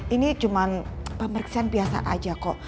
ini cuma pemeriksaan biasa aja kok